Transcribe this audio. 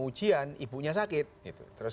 ujian ibunya sakit terus